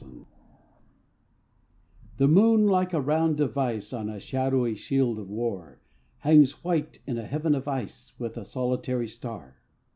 SNOW The moon, like a round device On a shadowy shield of war, Hangs white in a heaven of ice With a solitary star.